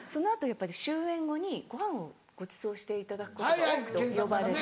やっぱり終演後にご飯をごちそうしていただくことが多くて呼ばれて。